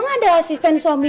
sudah sampai sandi